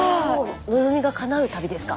望みが叶う旅ですか？